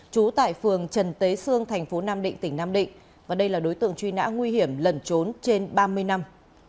trú tại phường trần tế sương thành phố nam định tỉnh nam định và đây là đối tượng truy nã nguy hiểm lần trốn trên ba mươi năm